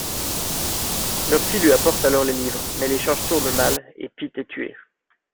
Murphy lui apporte alors les livres, mais l'échange tourne mal et Pitt est tué.